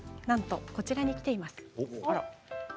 なんとこちらに来ています。